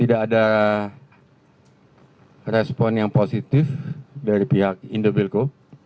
tidak ada respon yang positif dari pihak indobilco